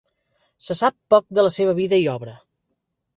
Se sap poc de la seva vida i obra.